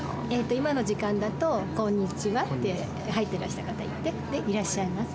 今の時間だと「こんにちは」って入ってらした方に言ってで「いらっしゃいませ」。